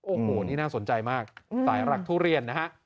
โอ้โหนี่น่าสนใจมากสายหลักทุเรียนนะฮะ